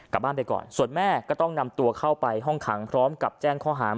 กลับบ้านไปก่อนส่วนแม่ก็ต้องนำตัวเข้าไปห้องขังพร้อมกับแจ้งข้อหา